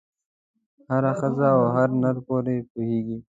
هره ښځه او هر نر پرې پوهېږي.